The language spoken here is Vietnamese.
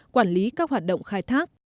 quản lý các hoạt động khai thác